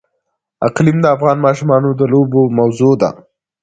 اقلیم د افغان ماشومانو د لوبو موضوع ده.